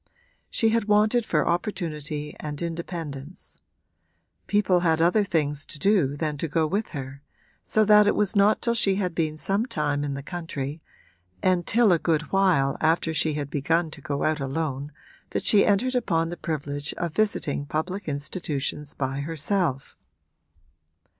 She had wanted for opportunity and independence; people had other things to do than to go with her, so that it was not till she had been some time in the country and till a good while after she had begun to go out alone that she entered upon the privilege of visiting public institutions by herself.